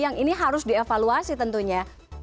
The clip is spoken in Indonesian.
yang ini harus dievaluasi tentunya